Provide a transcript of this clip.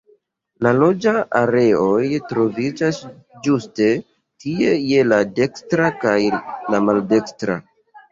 La loĝa areoj troviĝas ĝuste tie je la dekstra kaj la maldekstra.